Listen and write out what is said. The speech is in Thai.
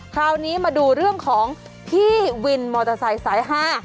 คราวนี้มาดูเรื่องของพี่วินมอเตอร์ไซค์สาย๕